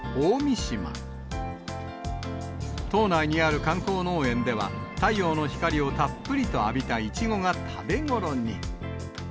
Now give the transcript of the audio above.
島内にある観光農園では、太陽の光をたっぷりと浴びたいちごが食べ頃に。